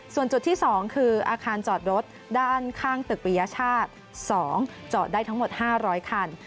ส่วนจุดที่๒คืออาคารจอดรถด้านข้างตึกปริยชาติ๒จอดได้ทั้งหมด๕๐๐คัน